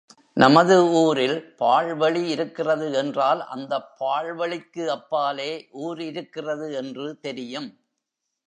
நமது ஊரில் பாழ் வெளி இருக்கிறது என்றால் அந்தப் பாழ் வெளிக்கு அப்பாலே ஊர் இருக்கிறது என்று தெரியும்.